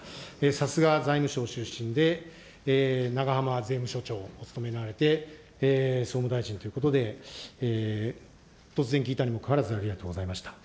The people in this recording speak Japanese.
さすが財務省出身で、ながはま税務署長をお務めになられて、総務大臣ということで、突然、聞いたにもかかわらず、ありがとうございました。